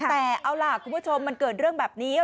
แต่เอาล่ะคุณผู้ชมมันเกิดเรื่องแบบนี้